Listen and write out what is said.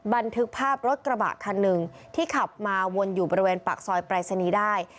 บันทึกภาพรถกระบะคันหนึ่งที่ขับมาวนอยู่บริเวณปากซอยปรายศนีย์ได้